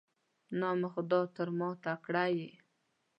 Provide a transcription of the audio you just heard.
نام خدای، تر ما تکړه یې.